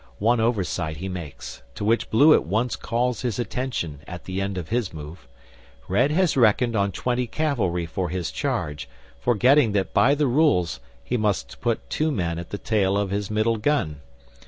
One oversight he makes, to which Blue at once calls his attention at the end of his move. Red has reckoned on twenty cavalry for his charge, forgetting that by the rules he must put two men at the tail of his middle gun.